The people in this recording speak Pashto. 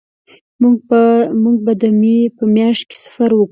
مونږ به د مې په میاشت کې سفر وکړو